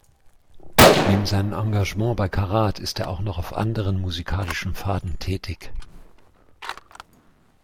Neben seinem Engagement bei Karat ist er auch noch auf anderen musikalischen Pfaden tätig.